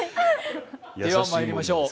ではまいりましょう。